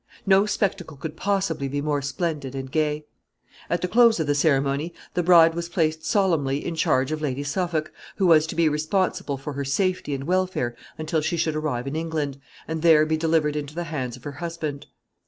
No spectacle could possibly be more splendid and gay. At the close of the ceremony, the bride was placed solemnly in charge of Lady Suffolk, who was to be responsible for her safety and welfare until she should arrive in England, and there be delivered into the hands of her husband.